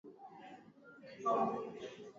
urahisi kutoka kambini kwetu ingawa kukata eneo